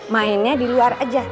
mainnya di luar aja